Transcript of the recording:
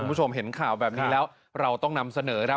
คุณผู้ชมเห็นข่าวแบบนี้แล้วเราต้องนำเสนอครับ